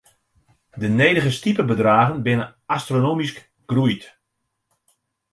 De nedige stipebedraggen binne astronomysk groeid.